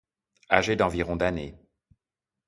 Âgé d'environ d'années.